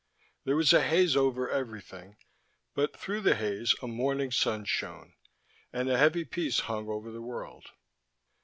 There was a haze over everything, but through the haze a morning sun shone, and a heavy peace hung over the world.